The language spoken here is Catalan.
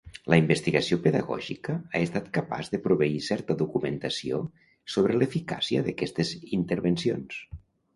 La investigació pedagògica ha estat capaç de proveir certa documentació sobre l'eficàcia d'aquestes intervencions.